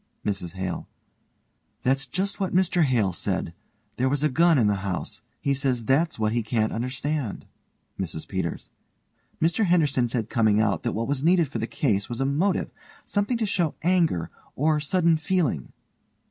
MRS HALE: That's just what Mr Hale said. There was a gun in the house. He says that's what he can't understand. MRS PETERS: Mr Henderson said coming out that what was needed for the case was a motive; something to show anger, or sudden feeling.